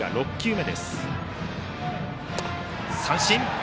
三振。